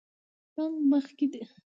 بانک مخکې ده